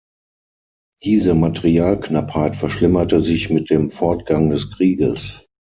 Diese Materialknappheit verschlimmerte sich mit dem Fortgang des Krieges.